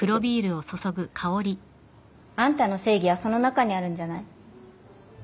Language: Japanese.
あんたの正義はその中にあるんじゃない？